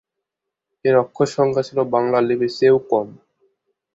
এর অক্ষর সংখ্যা ছিল বাংলা লিপির চেয়েও কম।